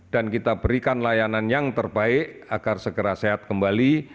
dan kita berikan layanan yang terbaik agar segera sehat kembali